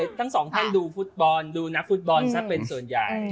ทั้งสองท่านดูฟุตบอลดูนักฟุตบอลซะเป็นส่วนใหญ่